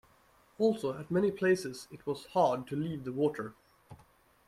Also, at many places it was hard to leave the water.